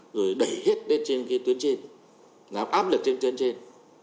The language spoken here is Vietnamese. rồi đẩy hết đến trên cái tuyến trên làm áp lực trên tuyến trên